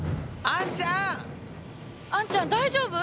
あんちゃん大丈夫？